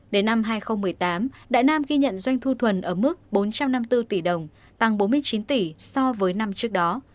đến năm hai nghìn một mươi tám đại nam ghi nhận doanh thu thuần ở mức bốn trăm năm mươi bốn tỷ đồng tăng bốn mươi chín tỷ so với năm trước đó